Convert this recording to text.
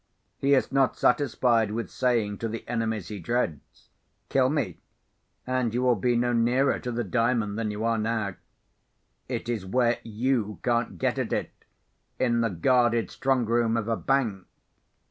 He is not satisfied with saying to the enemies he dreads, 'Kill me—and you will be no nearer to the Diamond than you are now; it is where you can't get at it—in the guarded strongroom of a bank.